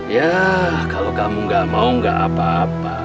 ya kalau kamu gak mau gak apa apa